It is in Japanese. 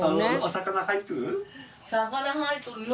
魚入っとるよ。